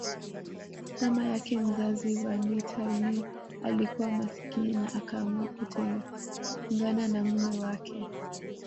Mama yake mzazi Vernita Lee alikuwa masikini na akaamua kutengana na mume wake